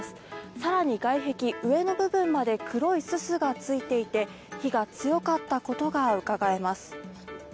更に外壁、上の部分まで黒いすすがついていて火が強かったことがうかがえます。